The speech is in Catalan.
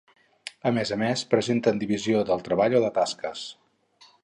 A més a més, presenten divisió del treball o de tasques.